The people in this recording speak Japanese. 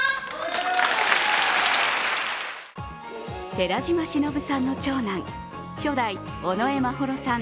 寺島しのぶさんの長男、初代尾上眞秀さん